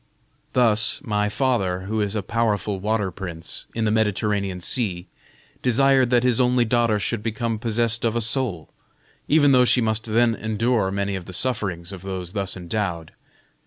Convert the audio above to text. Thus, my father, who is a powerful water prince in the Mediterranean Sea, desired that his only daughter should become possessed of a soul, even though she must then endure many of the sufferings of those thus endowed.